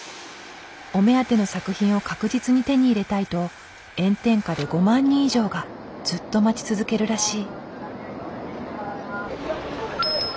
お目当ての作品を確実に手に入れたいと炎天下で５万人以上がずっと待ち続けるらしい。